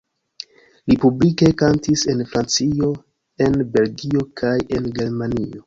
Li publike kantis en Francio, en Belgio kaj en Germanio.